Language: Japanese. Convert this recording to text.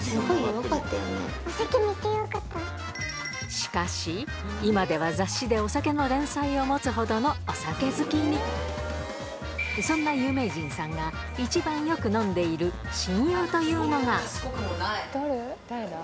しかし今では雑誌でお酒の連載を持つほどのお酒好きにそんな有名人さんがよろしくお願いします。